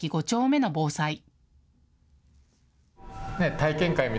５丁目の防災。